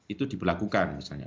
itu diperlakukan misalnya